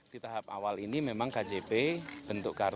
di tahap awal ini memang kjp bentuk kartu